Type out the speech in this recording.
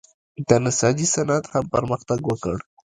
د نساجۍ صنعت هم پرمختګ وکړ.